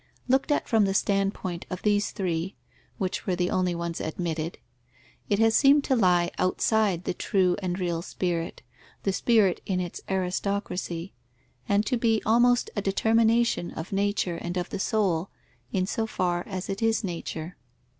Looked at from the standpoint of these three (which were the only ones admitted), it has seemed to lie outside the true and real spirit, the spirit in its aristocracy, and to be almost a determination of nature and of the soul, in so far as it is nature.